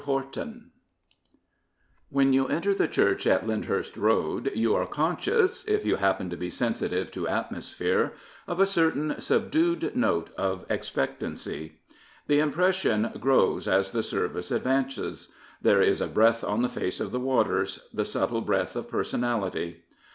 HORTON When you enter the church at Lyndhurst Road you are conscious — if you happen to be sensitive to " atmo sphere ''— of a certain subdued note of expectancy. The impression grows as the service advances. There is a breath on the face of the waters — the subtle breath of personality.